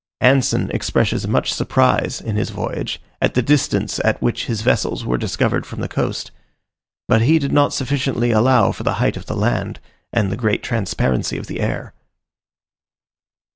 Anson expresses much surprise, in his voyage, at the distance at which his vessels were discovered from the coast; but he did not sufficiently allow for the height of the land, and the great transparency of the air.